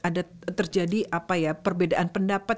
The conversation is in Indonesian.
ada terjadi perbedaan pendapat